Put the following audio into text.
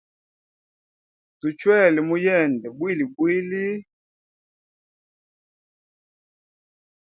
Tuchwele mu yende bwilibwli.